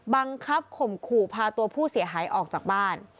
บังคับข่มขู่พาตัวผู้เสียหายออกจากบ้าน